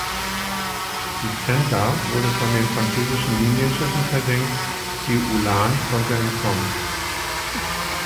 Die "Zenta" wurde von den französischen Linienschiffen versenkt, die "Ulan" konnte entkommen.